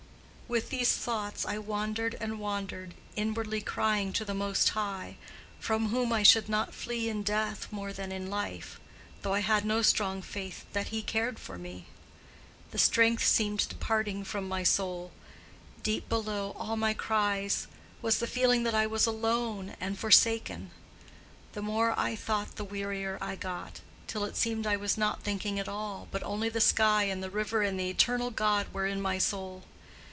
With these thoughts I wandered and wandered, inwardly crying to the Most High, from whom I should not flee in death more than in life—though I had no strong faith that He cared for me. The strength seemed departing from my soul; deep below all my cries was the feeling that I was alone and forsaken. The more I thought the wearier I got, till it seemed I was not thinking at all, but only the sky and the river and the Eternal God were in my soul.